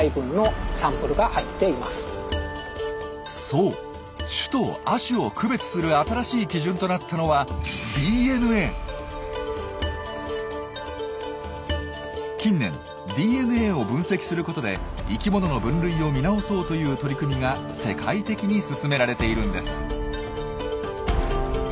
そう種と亜種を区別する新しい基準となったのは近年ＤＮＡを分析する事で生きものの分類を見直そうという取り組みが世界的に進められているんです。